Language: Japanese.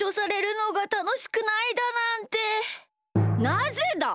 なぜだ！